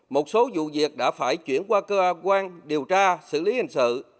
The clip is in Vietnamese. một số vụ việc đã phải chuyển qua cơ quan điều tra xử lý hình sự